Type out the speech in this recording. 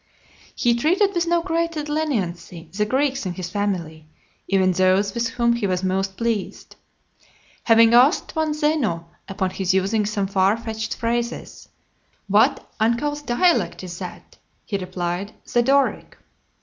LVI. He treated with no greater leniency the Greeks in his family, even those with whom he was most pleased. Having asked one Zeno, upon his using some far fetched phrases, "What uncouth dialect is that?" he replied, "The Doric."